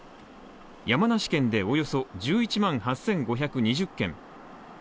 山梨県でおよそ１１万８５２０軒